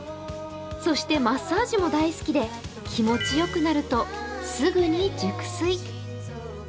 そして、マッサージも大好きで、気持ちよくなると、すぐに熟睡。